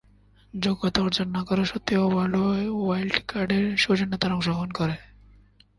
যোগ্যতা অর্জন না করা সত্ত্বেও ওয়াইল্ড কার্ডের সৌজন্যে তারা অংশগ্রহণ করে।